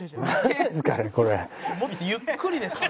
「もっとゆっくりですよ」